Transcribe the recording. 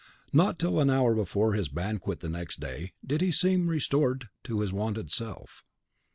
Not till an hour before his banquet the next day did he seem restored to his wonted self.